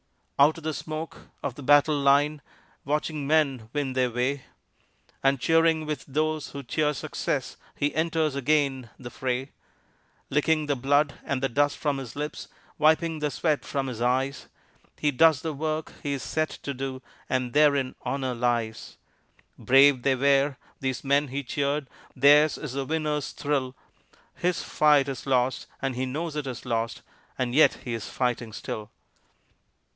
Out of the smoke of the battle line watching men win their way, And, cheering with those who cheer success, he enters again the fray, Licking the blood and the dust from his lips, wiping the sweat from his eyes, He does the work he is set to do and "therein honor lies." Brave they were, these men he cheered, theirs is the winners' thrill; His fight is lost and he knows it is lost and yet he is fighting still.